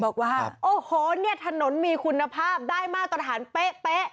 บอกว่าโอ้โหเนี่ยถนนมีคุณภาพได้มาตรฐานเป๊ะ